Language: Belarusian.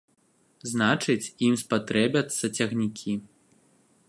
Значыць, ім спатрэбяцца цягнікі.